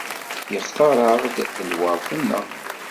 Ixtaṛ-aɣ-d lweṛt-nneɣ.